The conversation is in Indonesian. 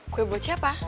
kue buat siapa